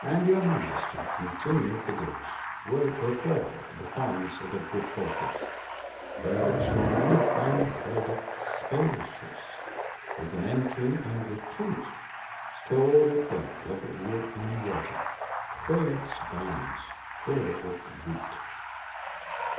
And your Majesty," continued the Goose, " will recall the points of a good fortress, —" Build it strong, and build it spacious, with an entry and retreat ; Store it well with wood and water, fill its garners full with wheat."